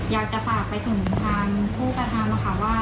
อยากจะฝากไปถึงทางผู้กระทำค่ะว่า